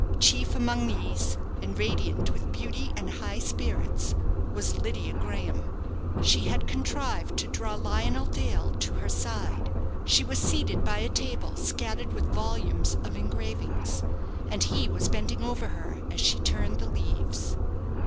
Chief among these, and radiant with beauty and high spirits, was Lydia Graham. She had contrived to draw Lionel Dale to her side. She was seated by a table scattered with volumes of engravings, and he was bending over her as she turned the leaves.